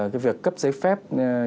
cái việc cấp giấy phép